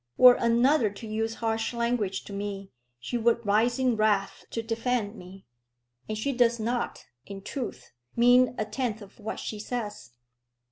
Were another to use harsh language to me, she would rise in wrath to defend me. And she does not, in truth, mean a tenth of what she says.